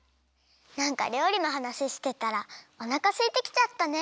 なんかりょうりのはなししてたらおなかすいてきちゃったね。